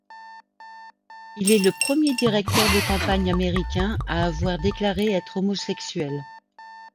Il est le premier directeur de campagne américain à avoir déclaré être homosexuel.